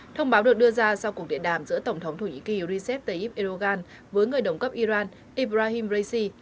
thông báo được đưa ra sau cuộc điện đàm giữa tổng thống thổ nhĩ kỳ recep tayyip erdogan với người đồng cấp iran ibrahim raisi